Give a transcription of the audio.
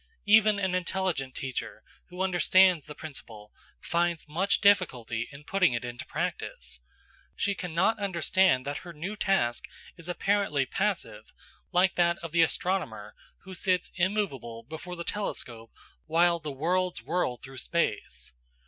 Even an intelligent teacher, who understands the principle, find much difficulty in putting it into practice. She can not understand that her new task is apparently passive, like that of the astronomer who sits immovable before the telescope while the worlds whirl through space.